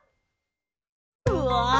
うわ！